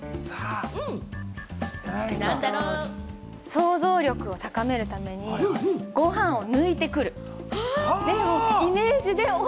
想像力を高めるために、ご飯を抜いてくる。